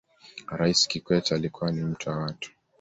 raisi kikwete alikuwa ni mtu wa watu